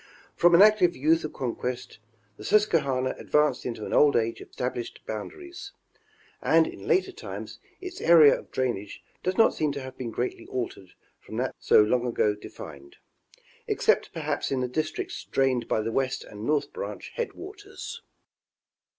From an active youth of conquest, the Susquehanna advanced into an old age of estab lished boundaries ; and in later times, its area of drainage does not seem to have been greatly altered from that so long ago defined ; except perhaps in the districts drained by the West and North Branch headwaters.